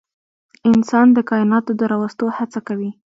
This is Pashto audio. انسان د کایناتو د راوستو هڅه کوي.